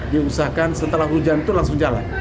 diusahakan setelah hujan itu langsung jalan